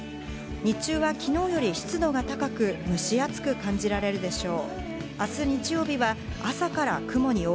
日中は昨日より湿度が高く蒸し暑く感じられるでしょう。